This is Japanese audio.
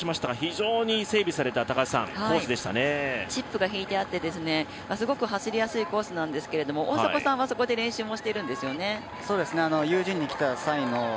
チップが引いてあって、すごく走りやすいようなコースなんですけど大迫さんはそこで練習もされているんですよね。